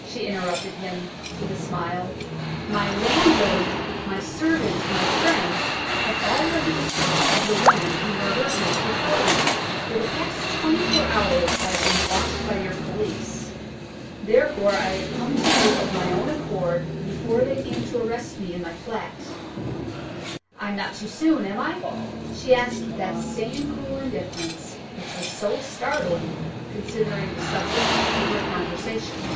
she interrupted him, with a smile. "My landlady, my servant, my friends have all read the description of the woman who murdered Mr. Culledon. For the past twenty four hours I have been watched by your police, therefore I have come to you of my own accord, before they came to arrest me in my flat. I am not too soon, am I?" she asked, with that same cool indifference which was so startling, considering the subject of her conversation.